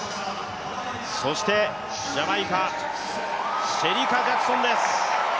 そしてジャマイカ、シェリカ・ジャクソンです。